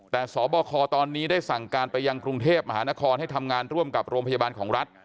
แต่สบคตอนนี้ได้สั่งการไปยังกรุงเทพมหานครให้ทำงานร่วมกับโรงพยาบาลของรัฐ